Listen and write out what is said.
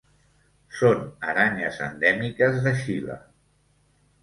Són aranyes endèmiques de Xile.